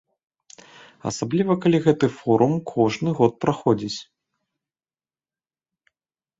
Асабліва калі гэты форум кожны год праходзіць.